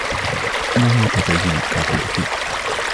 إنهُ متدين كاثوليكي.